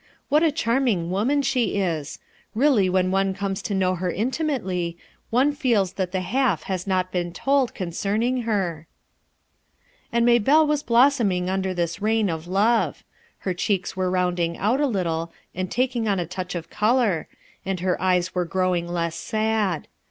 What a charming woman she is I Really when one comes to know her intimately, one feels that the half has not been told concerning her," And Maybelle was blossoming under this reign of love. Her cheeks were rounding out a little and taking on a touch of color, and her eyes were growing less sad.